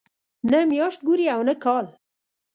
نه میاشت ګوري او نه کال.